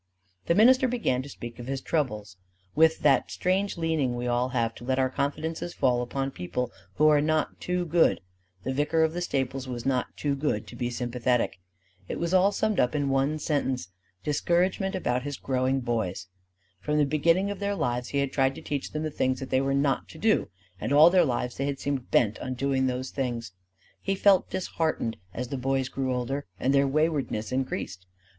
The minister began to speak of his troubles with that strange leaning we all have to let our confidences fall upon people who are not too good: the vicar of the stables was not too good to be sympathetic. It was all summed up in one sentence discouragement about his growing boys. From the beginnings of their lives he had tried to teach them the things they were not to do; and all their lives they had seemed bent on doing those things. He felt disheartened as the boys grew older and their waywardness increased.